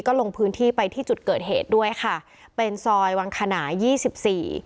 ก็ลงพื้นที่ไปที่จุดเกิดเหตุด้วยค่ะเป็นซอยวังขนายี่สิบสี่